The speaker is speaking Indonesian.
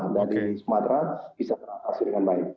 dari sumatera bisa teratasi dengan baik